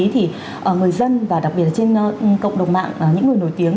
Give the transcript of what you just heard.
thì người dân và đặc biệt trên cộng đồng mạng những người nổi tiếng